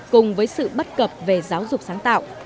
cùng với sự bất cập về giáo dục sáng tạo